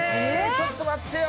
ちょっと待ってよ・